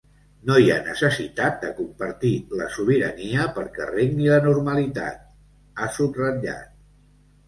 “No hi ha necessitat de compartir la sobirania perquè regni la normalitat”, ha subratllat.